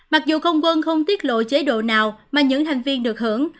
mặc dù không quân không tiết lộ chế độ nào mà những thành viên được hưởng